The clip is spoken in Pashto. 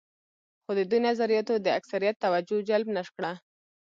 خو د دوی نظریاتو د اکثریت توجه جلب نه کړه.